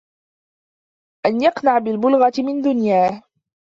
أَنْ يَقْنَعَ بِالْبُلْغَةِ مِنْ دُنْيَاهُ